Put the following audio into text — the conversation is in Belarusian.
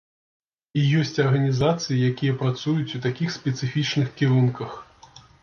І ёсць арганізацыі, якія працуюць у такіх спецыфічных кірунках.